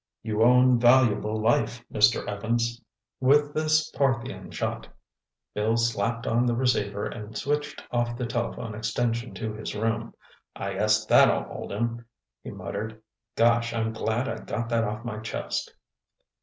"Your own valuable life, Mr. Evans!" With this Parthian shot, Bill slapped on the receiver and switched off the telephone extension to his room. "I guess that'll hold him," he muttered. "Gosh, I'm glad I got that off my chest!"